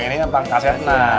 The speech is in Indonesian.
ini pak kasetna